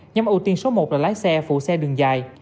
nhóm ưu tiên số một là lái xe phụ xe đường dài